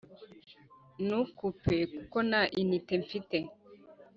Nukupe kuko ntama inite mfite